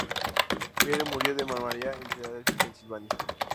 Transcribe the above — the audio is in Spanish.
Eyre murió de malaria en Filadelfia, Pensilvania.